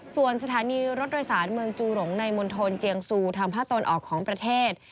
ส่วนสถานีรถโดยสารเมืองจูหลงในมณฑลเจียงซูทางภาคตะวันออกของประเทศ